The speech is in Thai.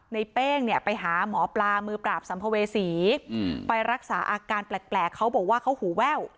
เป้งเนี่ยไปหาหมอปลามือปราบสัมภเวษีไปรักษาอาการแปลกเขาบอกว่าเขาหูแว่ว